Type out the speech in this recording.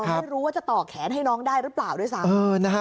ไม่รู้ว่าจะต่อแขนให้น้องได้หรือเปล่าด้วยซ้ำ